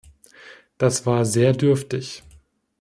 Das war sehr dürftig.